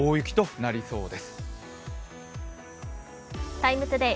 「ＴＩＭＥ，ＴＯＤＡＹ」